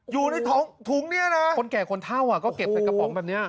อยู่ในท้องถุงเนี่ยนะคนแก่คนเท่าก็เก็บใส่กระป๋องแบบนี้